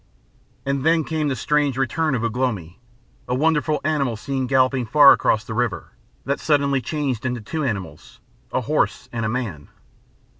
And then came the strange return of Ugh lomi, a wonderful animal seen galloping far across the river, that suddenly changed into two animals, a horse and a man.